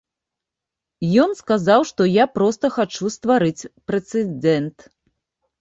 Ён сказаў, што я проста хачу стварыць прэцэдэнт.